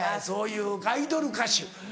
そういうアイドル歌手。